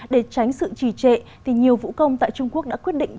để tránh sự trì trệ nhiều vũ công tại trung quốc đã quyết định